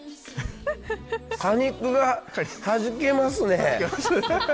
果肉がはじけますね。